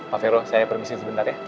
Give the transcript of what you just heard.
pak fero saya permisi sebentar ya